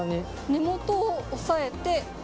根元を押さえて。